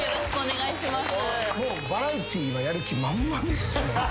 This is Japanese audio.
もうバラエティーはやる気満々っすよね。